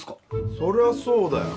そりゃそうだよ